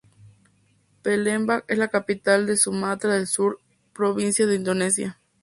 Palembang es la capital de Sumatra del Sur provincia de Indonesia.